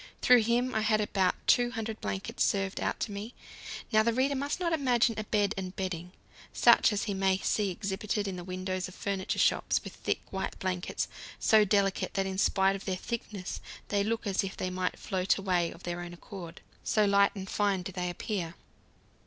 Through him I had about 200 blankets served out to me. Now, the reader must not imagine a bed and bedding, such as he may see exhibited in the windows of furniture shops, with thick, white blankets, so delicate that in spite of their thickness they look as if they might float away of their own accord, so light and fine do they appear.